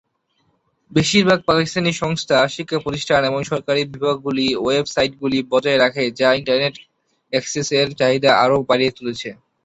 বেশিরভাগ পাকিস্তানি সংস্থা, শিক্ষাপ্রতিষ্ঠান এবং সরকারী বিভাগগুলি ওয়েব সাইটগুলি বজায় রাখে যা ইন্টারনেট অ্যাক্সেসের চাহিদা আরও বাড়িয়ে তুলেছে।